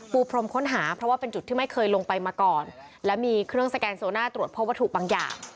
พรมค้นหาเพราะว่าเป็นจุดที่ไม่เคยลงไปมาก่อนและมีเครื่องสแกนโซน่าตรวจพบวัตถุบางอย่าง